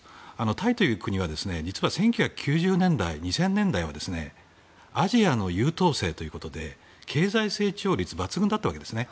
タイという国は１９９０年代、２０００年代はアジアの優等生ということで経済成長率が抜群だったわけですね。